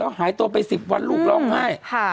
แล้วหายตัวไป๑๐วันลูกล้องให้ค่ะ